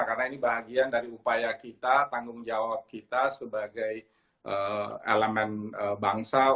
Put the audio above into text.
karena ini bahagian dari upaya kita tanggung jawab kita sebagai elemen bangsa untuk